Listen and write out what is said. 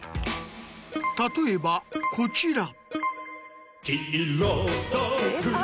例えばこちら。